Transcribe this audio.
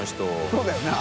そうだよな。